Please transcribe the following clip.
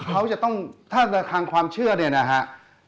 เขาจะต้องถ้าในทางความเชื่อเนี่ยนะฮะ